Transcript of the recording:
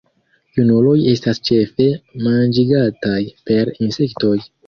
Junuloj estas ĉefe manĝigataj per insektoj.